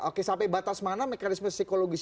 oke sampai batas mana mekanisme psikologis